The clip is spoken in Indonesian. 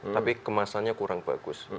tapi kemasannya kurang bagus